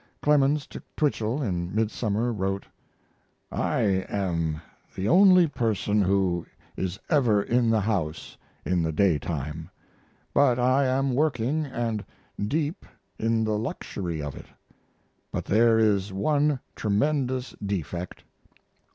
Clemens to Twichell in midsummer wrote: I am the only person who is ever in the house in the daytime, but I am working & deep in the luxury of it. But there is one tremendous defect.